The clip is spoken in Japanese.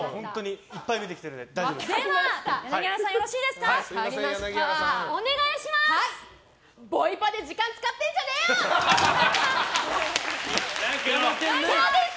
いっぱい見てきてるんで大丈夫です。